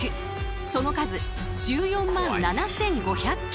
その数１４万７，５００件。